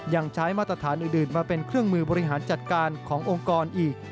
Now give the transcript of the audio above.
ยังใช้มาตรฐานอื่นมาเป็นเครื่องมือบริหารจัดการขององค์กรอีก